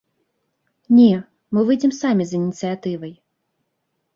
Не, мы выйдзем самі з ініцыятывай.